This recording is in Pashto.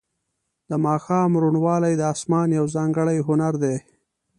د ماښام روڼوالی د اسمان یو ځانګړی هنر دی.